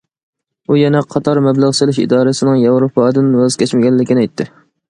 ئۇ يەنە قاتار مەبلەغ سېلىش ئىدارىسىنىڭ ياۋروپادىن ۋاز كەچمىگەنلىكىنى ئېيتتى.